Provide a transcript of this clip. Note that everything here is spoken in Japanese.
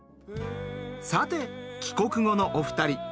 さて帰国後のお二人。